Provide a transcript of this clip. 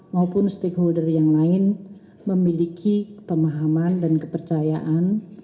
maupun stakeholder yang lain memiliki pemahaman dan kepercayaan